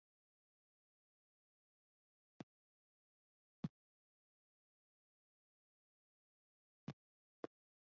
এই পতিতাদের অধিকাংশই দশ থেকে ষোল বছর বয়সের মধ্যে তাদের কাজ শুরু করে।